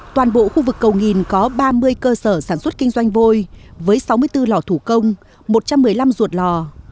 toàn bộ khu vực cầu nghìn có ba mươi cơ sở sản xuất kinh doanh vôi với sáu mươi bốn lò thủ công một trăm một mươi năm ruột lò